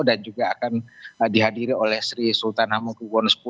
dan juga akan dihadiri oleh sri sultan hamengku gwono x